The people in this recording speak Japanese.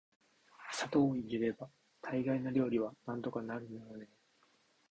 砂糖を入れれば大概の料理はなんとかなるのよね～